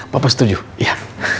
bapak setuju iya